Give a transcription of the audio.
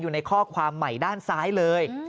อยู่ในข้อความใหม่ด้านซ้ายเลย